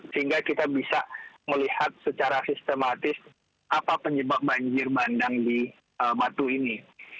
sehingga kita bisa melihat secara sistematis apa penyebab banjir bandang di batu ini